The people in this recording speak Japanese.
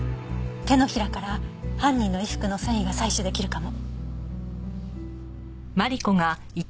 手のひらから犯人の衣服の繊維が採取出来るかも。